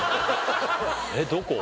えっどこ？